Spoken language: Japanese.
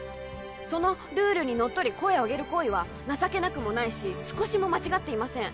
そのルールにのっとり声を上げる行為は情けなくもないし少しも間違っていません